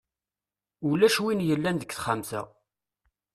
Ulac win yellan deg texxamt-a.